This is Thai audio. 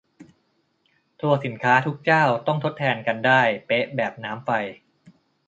ตัวสินค้าทุกเจ้าต้องทดแทนกันได้เป๊ะ แบบน้ำไฟ